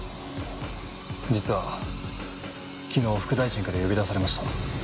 実は昨日副大臣から呼び出されました。